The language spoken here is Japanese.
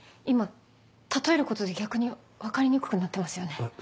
今例えることで逆に分かりにくくなってますよね。